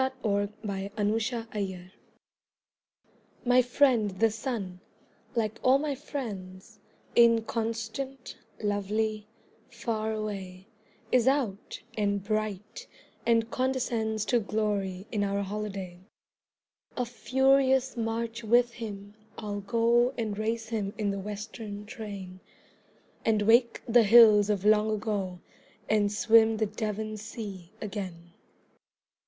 A WESTERN VOYAGE My friend the Sun like all my friends Inconstant, lovely, far away Is out, and bright, and condescends To glory in our holiday. A furious march with him I'll go And race him in the Western train, And wake the hills of long ago And swim the Devon sea again.